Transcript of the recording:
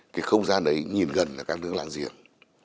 cái không gian đấy nhìn gần là các nước láng giềng